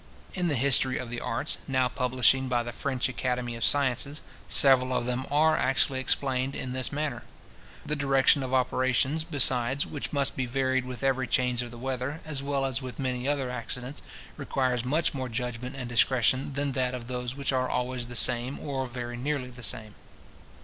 In the history of the arts, now publishing by the French Academy of Sciences, several of them are actually explained in this manner. The direction of operations, besides, which must be varied with every change of the weather, as well as with many other accidents, requires much more judgment and discretion, than that of those which are always the same, or very nearly the same.